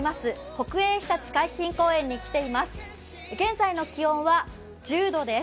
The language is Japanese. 国営ひたち海浜公園に来ています。